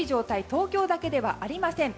東京だけではありません。